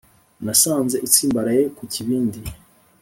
nasanze utsimbaraye ku kibindi